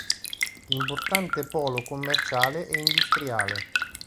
Importante polo commerciale e industriale.